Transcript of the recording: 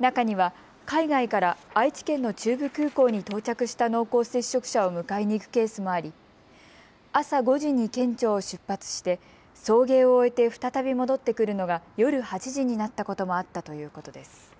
中には海外から愛知県の中部空港に到着した濃厚接触者を迎えに行くケースもあり朝５時に県庁を出発して送迎を終えて再び戻ってくるのが夜８時になったこともあったということです。